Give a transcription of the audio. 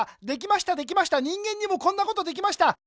できましたできました人間にもこんなことできました。